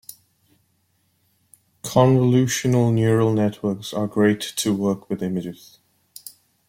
Convolutional Neural Networks are great to work with images.